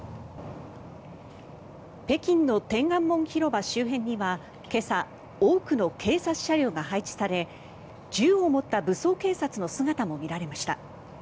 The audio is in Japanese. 北京の天安門広場周辺には今朝多くの警察車両が配置され銃を持った武装警察の姿も見られました。